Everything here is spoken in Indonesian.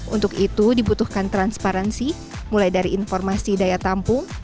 untuk itu dibutuhkan transparansi mulai dari informasi daya tampung